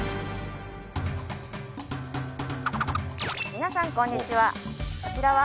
皆さんこんにちは